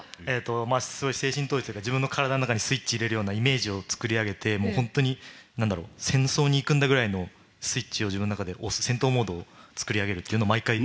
精神統一とか自分の体の中にスイッチを入れるようなイメージを作り上げて本当に戦争にいくんだくらいのスイッチを、自分の中で押す戦闘モードを作り上げるのが毎回の。